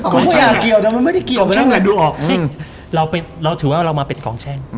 ก็ไม่อยากเกี่ยวแต่มันไม่ได้เกี่ยวไปแล้วไงดูออกซิ่งเราถือว่าเรามาเป็นกองแช่ง